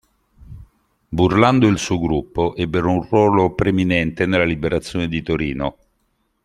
Burlando e il suo gruppo ebbero un ruolo preminente nella liberazione di Torino.